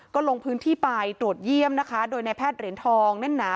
ก็ลงพื้นที่ไปตรวจเยี่ยมนะคะโดยในแพทย์เหรียญทองแน่นหนา